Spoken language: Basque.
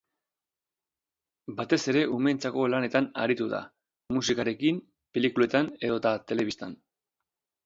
Batez ere umeentzako lanetan aritu da; musikarekin, pelikuletan edota telebistan.